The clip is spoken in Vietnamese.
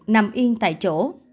nằm yên tại chỗ